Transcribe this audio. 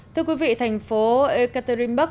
thưa quý vị thành phố ekaterinburg